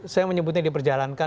saya menyebutnya diperjalankan